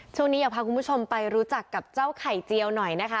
ช่วงนี้อยากพาคุณผู้ชมไปรู้จักกับเจ้าไข่เจียวหน่อยนะคะ